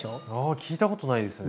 聞いたことないですね。